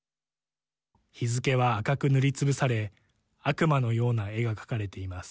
日付は赤く塗りつぶされ悪魔のような絵が描かれています。